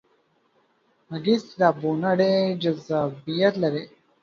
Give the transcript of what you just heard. غږیز کتابونه ډیر جذابیت لري.